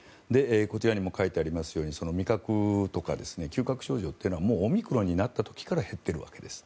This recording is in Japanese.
こちらにも書いてありますように味覚とか嗅覚症状はもうオミクロンになった時から減っているわけです。